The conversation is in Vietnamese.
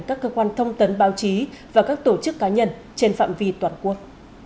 các cơ quan thông tấn báo chí và các tổ chức cá nhân trên phạm vi toàn quốc